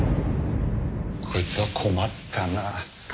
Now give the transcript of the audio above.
こいつは困ったな。